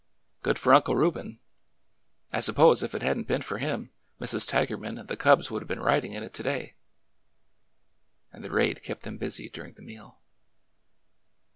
Good for Uncle Reuben ! I suppose, if it had n't been for him, Mrs. Tigerman and the cubs would have been riding in it to day." And the raid kept them busy during the meal.